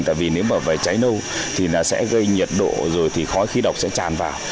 tại vì nếu mà về cháy nâu thì nó sẽ gây nhiệt độ rồi thì khói khí độc sẽ tràn vào